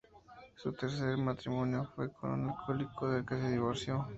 Su tercer matrimonio fue con un alcohólico del que se divorció.